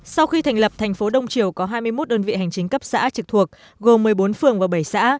sau khi thành lập thành phố đông triều có hai mươi một đơn vị hành chính cấp xã trực thuộc gồm một mươi bốn phường và bảy xã